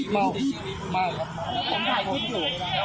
บอกผมถ่ายความคิดอยู่